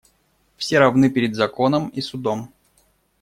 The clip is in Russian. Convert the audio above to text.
Все равны перед законом и судом.